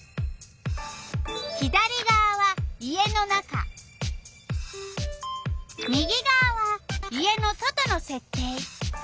左がわは家の中右がわは家の外のせっ定。